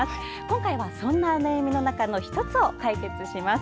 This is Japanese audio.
今回は、そんなお悩みの中の１つを解決します。